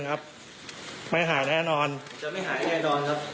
จะไม่หายแน่นอนครับ